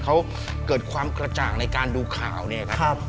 เขาเกิดความกระจ่างในการดูข่าวเนี่ยครับ